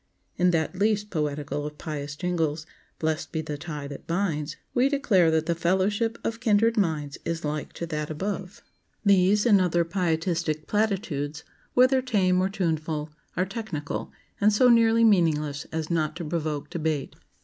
In that least poetical of pious jingles,— "Blest be the tie that binds,"— we declare that "The fellowship of kindred minds Is like to that above." These and other Pietistic platitudes, whether tame or tuneful, are technical, and so nearly meaningless as not to provoke debate.